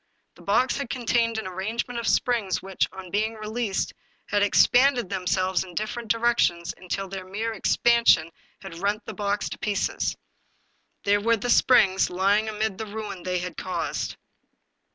The box had contained an arrangement of springs, which, on being released, had expanded themselves in different directions until their mere expansion had rent the box to pieces. There were the springs, lying amid the ruin they had caused.